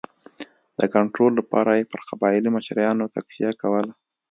د کنټرول لپاره یې پر قبایلي مشرانو تکیه کوله.